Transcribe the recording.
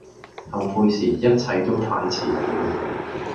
後悔時一切都太遲了